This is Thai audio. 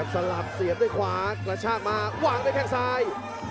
สลับเสียบด้วยขวากระชากมาวางด้วยแข้งซ้าย